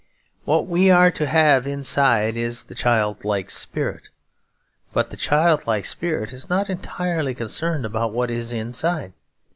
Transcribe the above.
What we are to have inside is the childlike spirit; but the childlike spirit is not entirely concerned about what is inside.